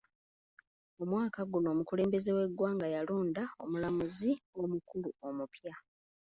Omwaka guno omukulembeze w'eggwanga yalonda omulamuzi omukulu omupya.